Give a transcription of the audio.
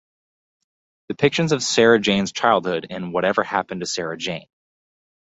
Depictions of Sarah Jane's childhood in Whatever Happened to Sarah Jane?